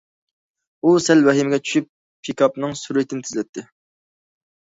ئۇ سەل ۋەھىمىگە چۈشۈپ، پىكاپنىڭ سۈرئىتىنى تېزلەتتى.